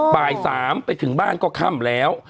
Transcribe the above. บ่าย๓ไปถึงบ้านก็ค่ำแล้ว